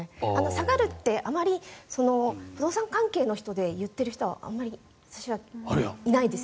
下がるって、あまり不動産関係の人で言っている人はあまりいないです。